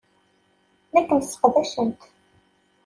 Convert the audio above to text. La kem-sseqdacent.